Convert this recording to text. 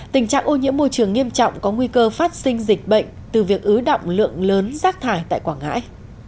tình trạng ô nhiễm môi trường nghiêm trọng có nguy cơ phát sinh dịch bệnh từ việc ứ động lượng lớn rác thải tại quảng ngãi